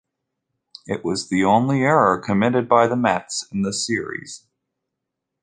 It was the only error committed by the Mets in the series.